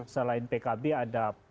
selain pkb ada